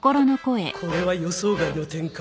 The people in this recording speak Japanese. ここれは予想外の展開